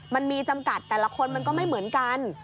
มันมีจำกัดแต่ละคนมันก็ไม่เหมือนกัน